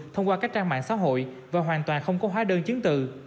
thông qua các trang mạng xã hội và hoàn toàn không có hóa đơn chứng từ